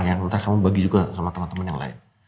nanti kamu bagi juga sama teman teman yang lain